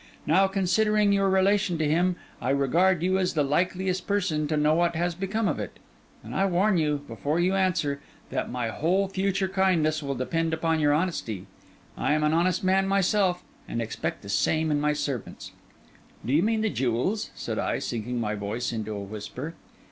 Now, considering your relation to him, I regard you as the likeliest person to know what has become of it; and I warn you, before you answer, that my whole future kindness will depend upon your honesty. I am an honest man myself, and expect the same in my servants.' 'Do you mean the jewels?' said I, sinking my voice into a whisper.